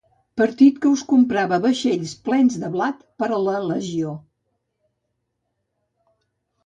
Partit que us comprava vaixells plens de blat per a la legió.